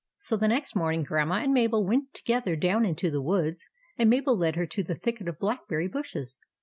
,, So the next morning, Grandma and Mabel went together down into the woods; and Mabel led her to the thicket of blackberry bushes.